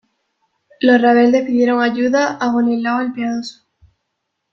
Los rebeldes pidieron ayuda a Boleslao el Piadoso.